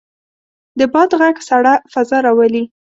د باد غږ سړه فضا راولي.